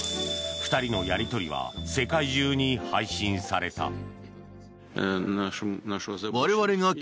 ２人のやり取りは世界中に配信された。